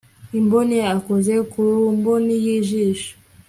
imboni akoze ku mboni y ijisho